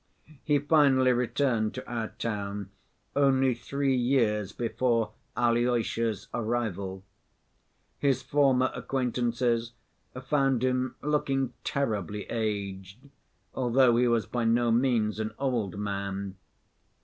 He finally returned to our town only three years before Alyosha's arrival. His former acquaintances found him looking terribly aged, although he was by no means an old man.